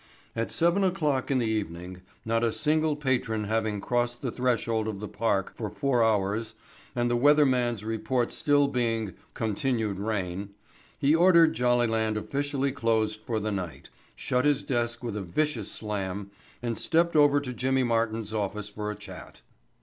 At seven o'clock in the evening—not a single patron having crossed the threshold of the park for four hours and the weather man's report still being "continued rain"––he ordered Jollyland officially closed for the night, shut his desk with a vicious slam and stepped over to Jimmy Martin's office for a chat.